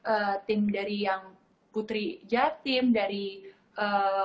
dari pemerintah baik itu dari tim ayu sendiri ayuma nation itu semua sangat besar dari keluarga dari orang orang terdekat